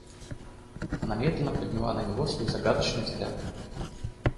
Она медленно подняла на него свой загадочный взгляд.